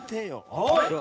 おい！